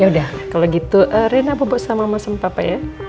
yaudah kalau gitu rena bubuk sama mama sama papa ya